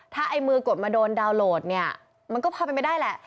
ถ้าไอ้มือกดมาโดนดาวนโหลดเนี่ยมันก็พอเป็นไปได้แหละ